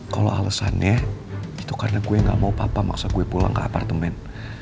kalau alesannya itu karena gue gak mau papa maksa gue pulang ke apartemen